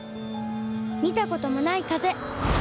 見たこともない風。